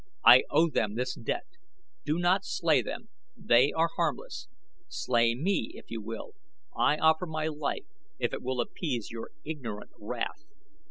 I owe them this debt. Do not slay them they are harmless. Slay me if you will. I offer my life if it will appease your ignorant wrath.